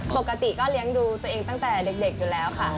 ปกติก็เลี้ยงดูตัวเองตั้งแต่เด็กอยู่แล้วค่ะ